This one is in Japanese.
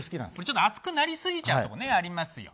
熱くなりすぎちゃうところありますよ。